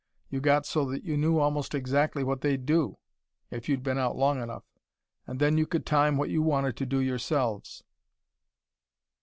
You got so that you knew almost exactly what they'd do if you'd been out long enough. And then you could time what you wanted to do yourselves.